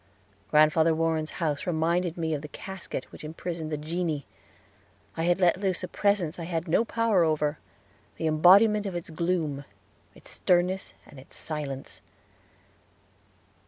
Grandfather Warren's house reminded me of the casket which imprisoned the Genii. I had let loose a Presence I had no power over the embodiment of its gloom, its sternness, and its silence.